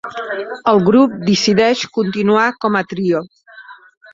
El grup decideix continuar com a trio.